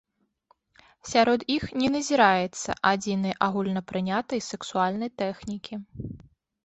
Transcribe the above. Сярод іх не назіраецца адзінай агульнапрынятай сексуальнай тэхнікі.